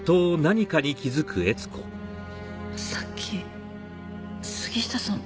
さっき杉下さん